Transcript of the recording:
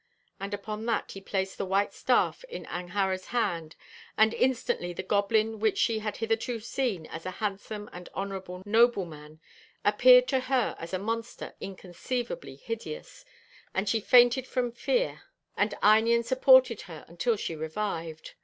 'And upon that he placed the white staff in Angharad's hand, and instantly the goblin which she had hitherto seen as a handsome and honourable nobleman, appeared to her as a monster, inconceivably hideous; and she fainted from fear, and Einion supported her until she revived.